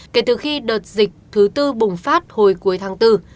kể từ khi đợt dịch thứ tư bùng phát hồi cuối tháng bốn